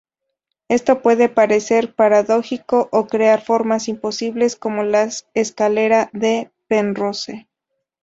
Esto puede parecer paradójico o crear formas imposibles, como las escalera de Penrose.